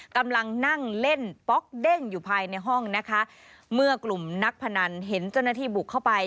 กำลังนั่งเล่นป๊อกเด้งอยู่ภายในห้องนะคะเมื่อกลุ่มนักพนันเห็นเจ้าหน้าที่บุกเข้าไป